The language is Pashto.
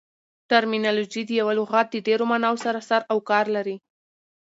ټرمینالوژي د یوه لغات د ډېرو ماناوو سره سر او کار لري.